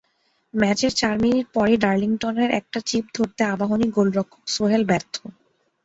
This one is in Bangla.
ম্যাচের চার মিনিট পরই ডার্লিংটনের একটা চিপ ধরতে আবাহনী গোলরক্ষক সোহেল ব্যর্থ।